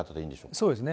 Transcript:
そうですね。